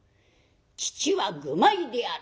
父は愚昧である。